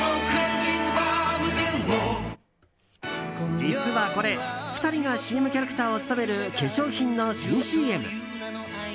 実はこれ２人がＣＭキャラクターを務める化粧品の新ＣＭ。